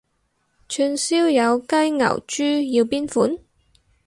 串燒有雞牛豬要邊款？